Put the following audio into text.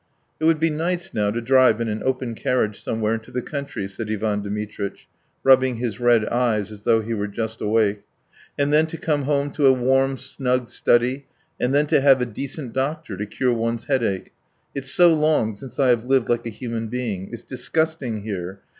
"It would be nice now to drive in an open carriage somewhere into the country," said Ivan Dmitritch, rubbing his red eyes as though he were just awake, "then to come home to a warm, snug study, and ... and to have a decent doctor to cure one's headache. ... It's so long since I have lived like a human being. It's disgusting here!